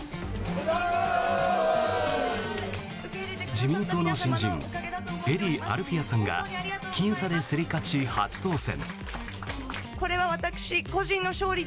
自民党の新人英利アルフィヤさんさんがきん差で競り勝ち、初当選。